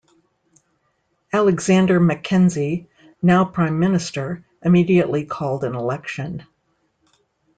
Alexander Mackenzie, now Prime Minister, immediately called an election.